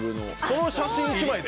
この写真１枚で？